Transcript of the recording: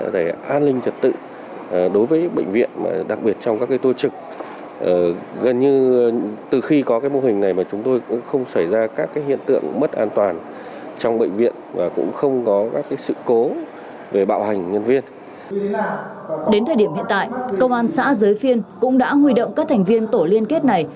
đến thời điểm hiện tại công an xã giới phiên cũng đã huy động các thành viên tổ liên kết này tập trung đi tuần tra miễn execution và charity public minion